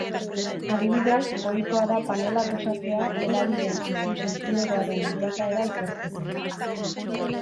Adibidez, ohikoa da panelak osatzea hedabideen ikus-entzulegoaren bilakaera ikertzeko.